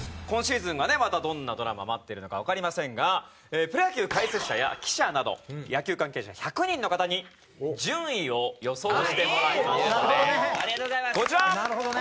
今シーズンはねまたどんなドラマ待ってるのかわかりませんがプロ野球解説者や記者など野球関係者１００人の方に順位を予想してもらいました。